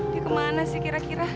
dia kemana sih kira kira